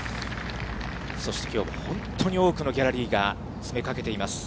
そしてきょうも本当に多くのギャラリーが詰めかけています。